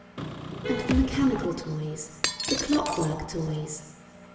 And the mechanical toys the clockwork toys.